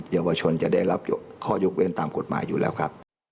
เยาวชนจะได้รับข้อยกเว้นตามกฎหมายอยู่แล้วครับ